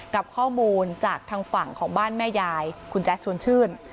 กับข้อมูลจากทางฝั่งของบ้านแม่ยายคุณแจ๊สชวนชื่น